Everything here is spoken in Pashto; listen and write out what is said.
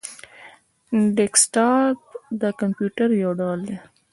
ډیسکټاپ د کمپيوټر یو ډول دی